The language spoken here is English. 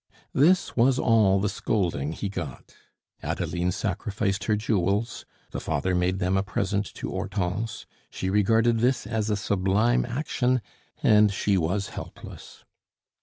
This was all the scolding he got. Adeline sacrificed her jewels, the father made them a present to Hortense, she regarded this as a sublime action, and she was helpless.